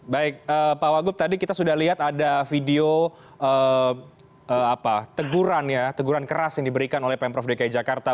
baik pak wagub tadi kita sudah lihat ada video teguran keras yang diberikan oleh pemprov dki jakarta